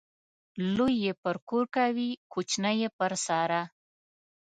لوى يې پر کور کوي ، کوچنى يې پر سارا.